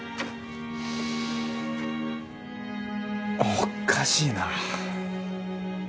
おかしいな。